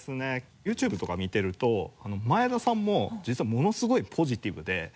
ＹｏｕＴｕｂｅとか見てると前田さんも実はものすごいポジティブで。